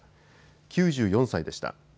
９４歳でした。